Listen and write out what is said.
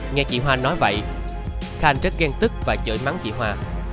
nghe chị hoa nói vậy khanh rất ghen tức và chợi mắng chị hoa